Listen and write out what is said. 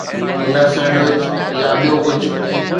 نه سينڊوچ يا ٻيو ڪجهه.